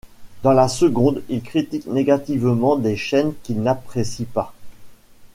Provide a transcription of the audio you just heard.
Dans la seconde, il critique négativement des chaînes qu'il n'apprécie pas.